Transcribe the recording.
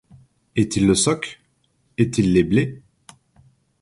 Est-il le soc ? est-il lé blé ?